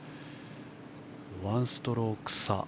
１ストローク差。